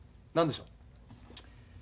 何でしょう？